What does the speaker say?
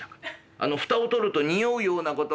あの蓋を取ると臭うようなことは」。